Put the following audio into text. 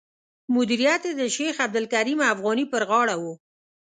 مدیریت یې د شیخ عبدالکریم افغاني پر غاړه و.